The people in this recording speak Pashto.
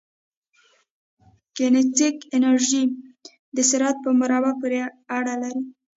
کینیتیک انرژي د سرعت په مربع پورې اړه لري.